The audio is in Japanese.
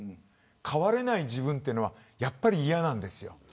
変われない自分というのはやっぱり嫌なんです。